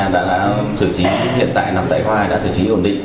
đã xử trí hiện tại nằm tại khoai đã xử trí ổn định